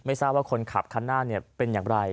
ไม่ทราบว่าคนขับข้างหน้าเป็นอย่างไร